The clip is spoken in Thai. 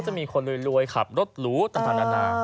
จะมีคนรวยขับรถหรูต่างนานา